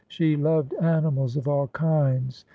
She loved ani mals of all kinds.